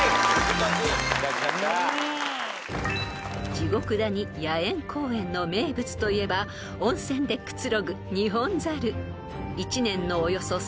［地獄谷野猿公苑の名物といえば温泉でくつろぐニホンザル］